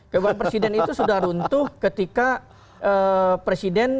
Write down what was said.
jawaban presiden itu sudah runtuh ketika presiden